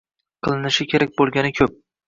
Qilinishi kerak bo‘lgani ko‘p.